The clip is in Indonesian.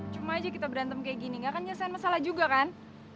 cuma aja kita berantem kayak gini gak akan nyelesaian masalah juga kan